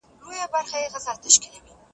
د ټولنيزو ځواکونو ګټي وساتئ.